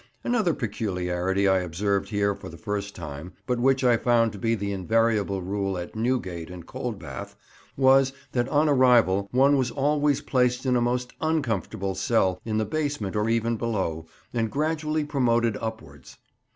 Another peculiarity I observed here for the first time, but which I found to be the invariable rule at "Newgate" and "Coldbath," was, that on arrival one was always placed in a most uncomfortable cell in the basement or even below, and gradually promoted upwards.